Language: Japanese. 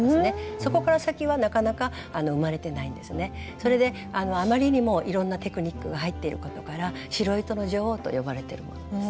それであまりにもいろんなテクニックが入っていることから「白糸の女王」と呼ばれてるものです。